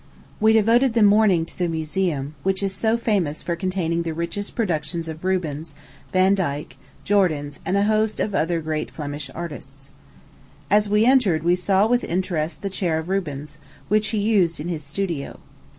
We devoted the morning to the Museum, which is so famous for containing the richest productions of Rubens, Vandyke, Jordaens, and a host of other great Flemish artists. As we entered, we saw, with interest, the chair of Rubens, which he used in his studio.